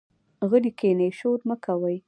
غلي کېنئ، شور مۀ کوئ.